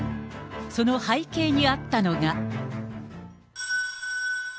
その背景にあったのが。